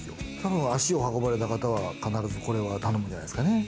足を運ばれた方は必ずこれは頼むんじゃないですかね。